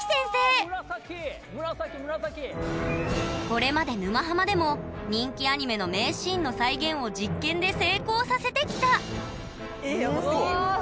これまで「沼ハマ」でも人気アニメの名シーンの再現を実験で成功させてきたえヤバっ。